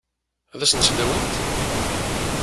Ad sen-tt-id-awint?